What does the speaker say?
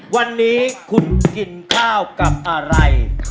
วันนี้คุณกินข้าวกับอะไร